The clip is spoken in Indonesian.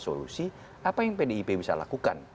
solusi apa yang pdip bisa lakukan